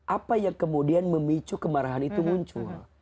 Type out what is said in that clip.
apa yang kemudian memicu kemarahan itu muncul